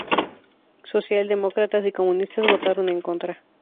Socialdemócratas y comunistas votaron en contra.